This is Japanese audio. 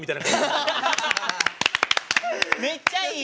めっちゃいい！